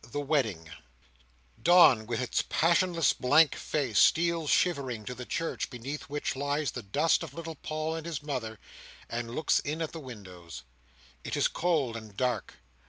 The Wedding Dawn with its passionless blank face, steals shivering to the church beneath which lies the dust of little Paul and his mother, and looks in at the windows. It is cold and dark.